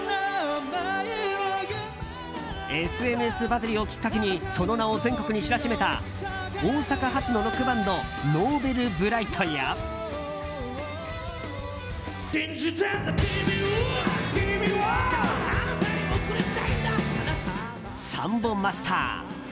ＳＮＳバズりをきっかけにその名を全国に知らしめた大阪発のロックバンドＮｏｖｅｌｂｒｉｇｈｔやサンボマスター。